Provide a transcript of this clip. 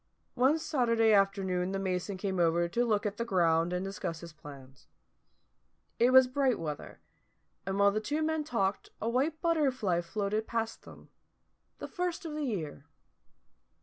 One Saturday afternoon the mason came over to look at the ground and discuss plans. It was bright weather, and while the two men talked a white butterfly floated past them the first of the year.